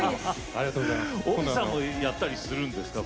ＯＭＩさんもやったりするんですか？